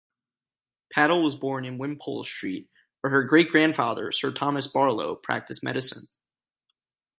Padel was born in Wimpole Street where her great-grandfather Sir Thomas Barlow practised medicine.